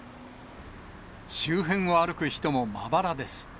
周辺を歩く人もまばらです。